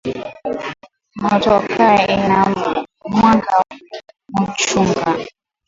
Motoka ina mwanga muchanga